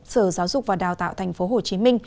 sở giáo dục và đào tạo tp hcm